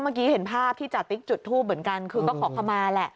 มองกี่เห็นภาพที่จัดมิกจุดทูปเป็นกัน